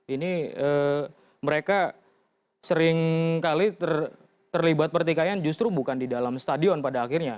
ini mereka seringkali terlibat pertikaian justru bukan di dalam stadion pada akhirnya